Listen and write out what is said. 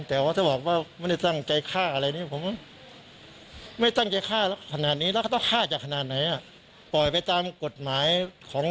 เพราะว่าไม่คิดอะไรมากหรอก